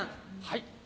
はい。